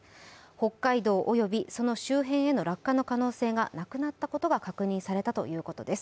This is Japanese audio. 北海道及びその周辺への落下の可能性がなくなったことが確認されたということです。